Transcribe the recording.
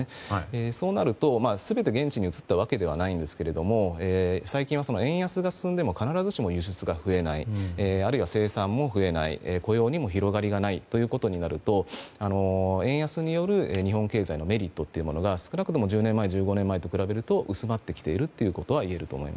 そうなると、全て現地に移ったわけではないんですが最近は円安が進んでも必ずしも輸出が増えないあるいは生産も増えない雇用にも広がりがないということになると円安による日本経済のメリットというのが少なくとも１０年前、１５年前と比べると薄まっていると。